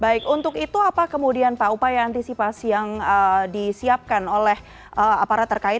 baik untuk itu apa kemudian pak upaya antisipasi yang disiapkan oleh aparat terkait